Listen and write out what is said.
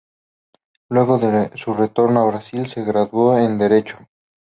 Luego de su retorno a Brasil, se graduó en Derecho.